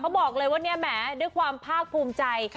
บอกเลยว่าเนี่ยแหมด้วยความภาคภูมิใจ